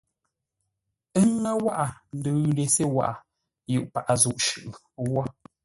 Ə́ ŋə́ wághʼə ndʉʉ ndesé waghʼə yʉʼ paghʼə zúʼ shʉʼʉ wó.